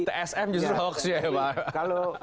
tsm justru hoaxnya ya pak